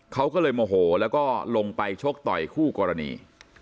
เขาก็เลยโมโหแล้วก็ลงไปชกต่อยคู่กรณี